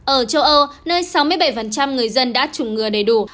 ở châu âu nơi sáu mươi bảy người dân đã chủng ngừa đầy đủ